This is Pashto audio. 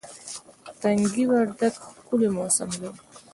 تنگي وردک ښکلی موسم لري